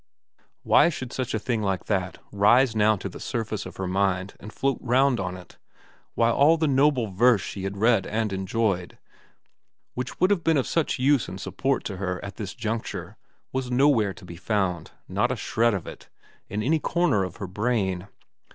... Why should a thing like that rise now to the surface of her mind and float round on it, while all the noble verse she had read and enjoyed, which would have been of such use and support to her at this juncture, was nowhere to be found, not a shred of it, in any corner of her brain